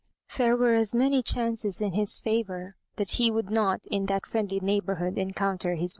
There were as many chances in his favour that he would not in that friendly neighbourhood encounter his.